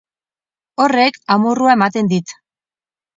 Horrek amorrua ematen dit!